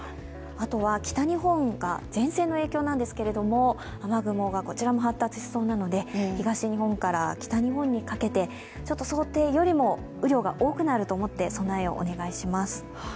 あとは北日本が前線の影響なんですけれども雨雲がこちらも発達しそうなので東日本から北日本にかけて、想定よりも雨量が多くなると思って備えをお願いします。